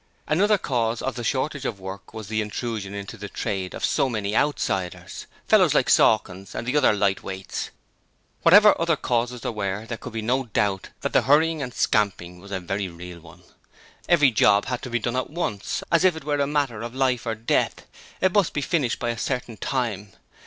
Another cause of the shortage of work was the intrusion into the trade of so many outsiders: fellows like Sawkins and the other lightweights. Whatever other causes there were, there could be no doubt that the hurrying and scamping was a very real one. Every 'job' had to be done at once! as if it were a matter of life or death! It must be finished by a certain time.